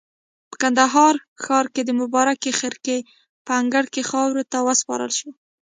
په کندهار ښار کې د مبارکې خرقې په انګړ کې خاورو ته وسپارل شو.